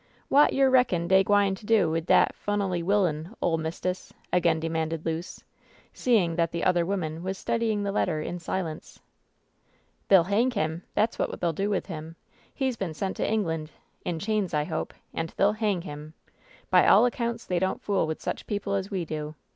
"Wot yer reckon dey gwine to do wid dat *funally willyun, ole mist'ess?" again demanded Luce, seeing that the other woman was studying the letter in silence. "They'll hang him ! That's what they'll do with him. He's been sent to England — in chains, I hope — and they'll hang him ! By all accounts they don't fool with such people as we do.